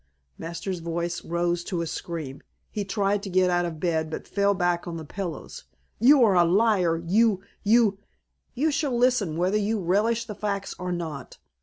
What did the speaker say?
Masters' voice rose to a scream. He tried to get out of bed but fell back on the pillows. "You are a liar you you " "You shall listen whether you relish the facts or not.